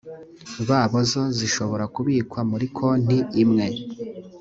babo zo zishobora kubikwa muri konti imwe